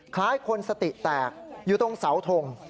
คล้ายคนสติแตกอยู่ตรงเสาทง